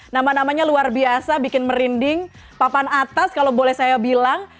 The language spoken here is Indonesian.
nama namanya luar biasa bikin merinding papan atas kalau boleh saya bilang